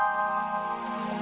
kalau kayak begitu makasih namanya